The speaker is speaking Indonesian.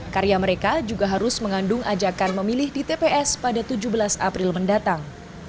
karya mereka juga harus mengandung ajakan memilih di tps pada tujuh belas april mendatang